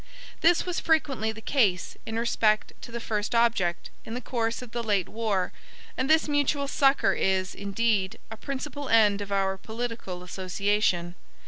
This was frequently the case, in respect to the first object, in the course of the late war; and this mutual succor is, indeed, a principal end of our political association.